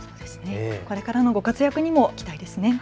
これからのご活躍にも期待ですね。